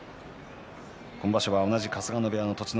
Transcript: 今場所は同じ春日野部屋の栃ノ